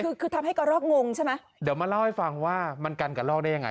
คือคือทำให้กระรอกงงใช่ไหมเดี๋ยวมาเล่าให้ฟังว่ามันกันกระลอกได้ยังไง